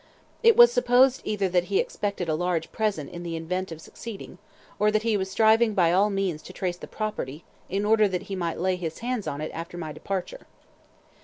It was supposed either that he expected a large present in the event of succeeding, or that he was striving by all means to trace the property, in order that he might lay his hands on it after my departure.